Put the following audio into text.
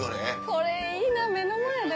これいいな目の前で？